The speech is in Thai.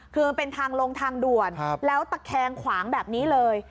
คือมันเป็นทางลงทางด่วนแล้วตะแคงขวางแบบนี้เลย